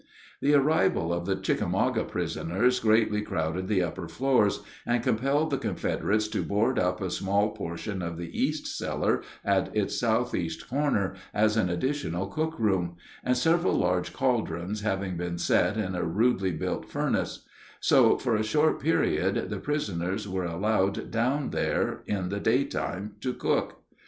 [Illustration: LIBBY PRISON IN 1865] The arrival of the Chickamauga prisoners greatly crowded the upper floors, and compelled the Confederates to board up a small portion of the east cellar at its southeast corner as an additional cook room, several large caldrons having been set in a rudely built furnace; so, for a short period, the prisoners were allowed down there in the daytime to cook.